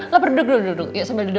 laper duduk dulu